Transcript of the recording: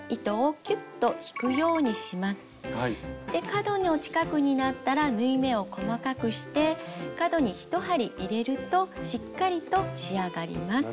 角の近くになったら縫い目を細かくして角に１針入れるとしっかりと仕上がります。